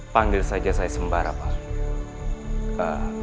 panggil saja saya sembara pak